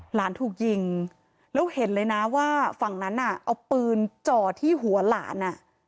หลานถูกยิงแล้วเห็นเลยนะว่าฝั่งนั้นน่ะเอาปืนจ่อที่หัวหลาน